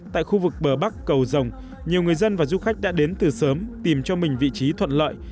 tại khu vực bờ bắc cầu rồng nhiều người dân và du khách đã đến từ sớm tìm cho mình vị trí thuận lợi